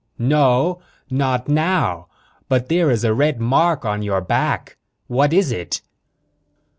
"No not now. But there is a red mark on your back. What is it?"